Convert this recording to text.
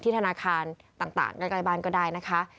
ที่ธนาคารต่างการกรรยบาลก็ได้นะคะ